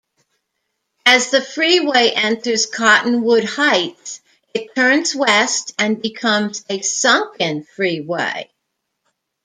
As the freeway enters Cottonwood Heights, it turns west and becomes a sunken freeway.